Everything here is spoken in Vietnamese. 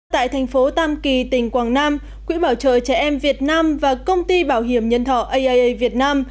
tại thành phố tam kỳ tỉnh quảng nam quỹ bảo trợ trẻ em việt nam và công ty bảo hiểm nhân thọ aia việt nam